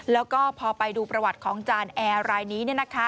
แล้วก็พอไปดูประวัติของจานแอร์รายนี้